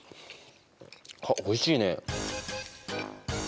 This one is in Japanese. あおいしいね。